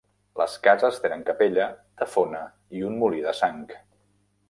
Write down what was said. Les cases tenen capella, tafona i un molí de sang.